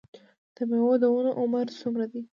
د میوو د ونو عمر څومره دی؟